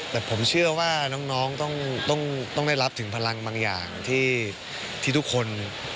แต่ผมเชื่อว่าน้องต้องได้รับถึงพลังบางอย่างที่ทุกคน